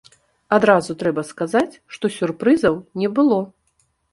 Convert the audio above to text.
Адразу трэба сказаць, што сюрпрызаў не было.